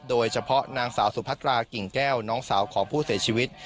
โดยเฉพาะนางสาวสุพัตรากิ่งแก้วน้องสาวของผู้เสียชีวิต